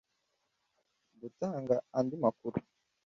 gutanga andi makuru